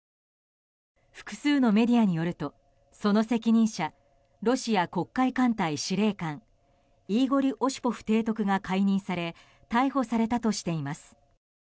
複数のメディアによるとその責任者ロシア黒海艦隊司令官イーゴリ・オシポフ提督が解任され逮捕されたとしています。